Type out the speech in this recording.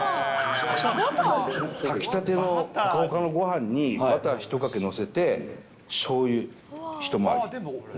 たきたてのほかほかのごはんにバター１かけ載せて、しょうゆ一回り。